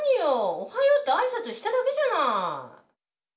「おはよう」って挨拶しただけじゃない。